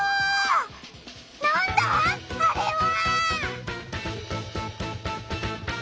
なんだ？あれは。